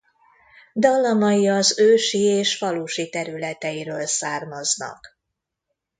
Dallamai az ősi és falusi területeiről származnak.